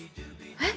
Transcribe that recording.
えっ？